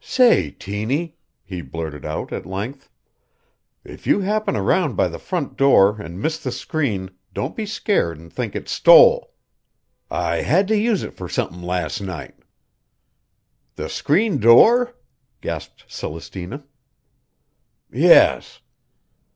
"Say, Tiny," he blurted out at length, "if you happen around by the front door and miss the screen don't be scared an' think it's stole. I had to use it fur somethin' last night." "The screen door?" gasped Celestina. "Yes."